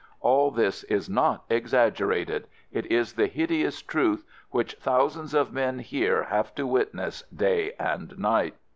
All this is not exaggerated. It is the hideous truth, which thousands of men here have to witness day and night.